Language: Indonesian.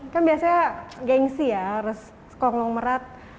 kan biasanya gengsi ya harus konglom merat